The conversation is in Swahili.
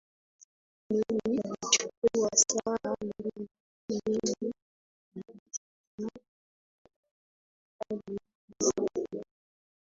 meli ilichukua saa mbili na dakika arobaini hadi kuzama